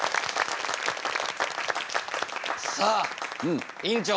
さあ院長